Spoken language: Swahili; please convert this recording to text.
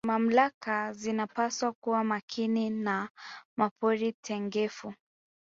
mamlaka zinapaswa kuwa Makini na mapori tengefu